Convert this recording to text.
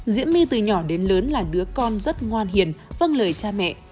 diễm my từ nhỏ đến lớn là đứa con rất ngoan hiền vân lời cha mẹ